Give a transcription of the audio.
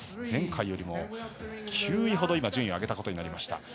前回よりも９位ほど順位を上げたことになりました。